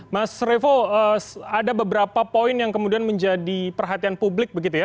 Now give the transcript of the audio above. mas revo ada beberapa poin yang kemudian menjadi perhatian publik begitu ya